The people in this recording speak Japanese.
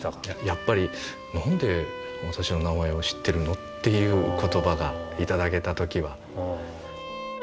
やっぱり「何で私の名前を知ってるの？」っていう言葉が頂けた時は。